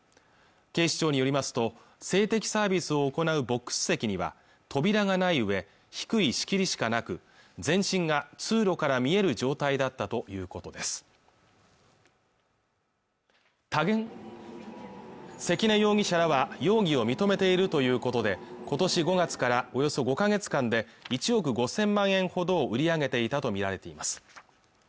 警視庁によりますと性的サービスを行うボックス席には扉がないうえ低い仕切りしかなく全身が通路から見える状態だったということです関根容疑者らは容疑を認めているということでことし５月からおよそ５か月間で１億５０００万円ほどを売り上げていたと見られています